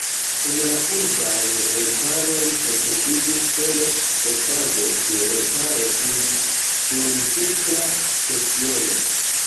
El la urbaj remparoj konserviĝis sole restaĵo de remparo kun duoncirkla bastiono.